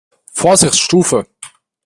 Vorsicht Stufe!